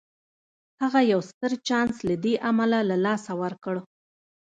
هغه يو ستر چانس له دې امله له لاسه ورکړ.